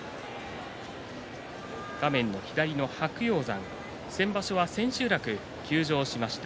画面の左の白鷹山、先場所は千秋楽、休場しました。